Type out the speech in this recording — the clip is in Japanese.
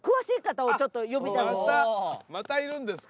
またいるんですか？